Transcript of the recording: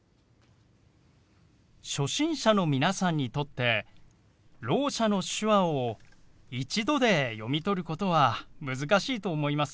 初心者の皆さんにとってろう者の手話を一度で読み取ることは難しいと思います。